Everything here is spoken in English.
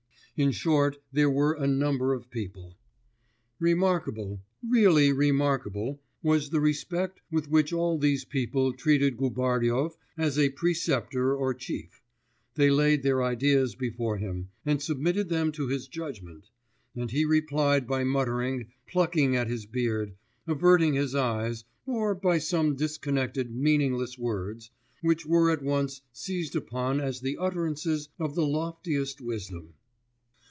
In short, there were a number of people. Remarkable really remarkable was the respect with which all these people treated Gubaryov as a preceptor or chief; they laid their ideas before him, and submitted them to his judgment; and he replied by muttering, plucking at his beard, averting his eyes, or by some disconnected, meaningless words, which were at once seized upon as the utterances of the loftiest wisdom.